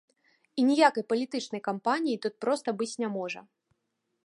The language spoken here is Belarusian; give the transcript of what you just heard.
І ніякай палітычнай кампаніі тут проста быць не можа.